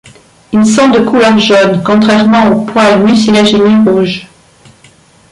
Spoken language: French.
Ils sont de couleur jaune, contrairement aux poils mucilagineux rouges.